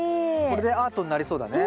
これでアートになりそうだね。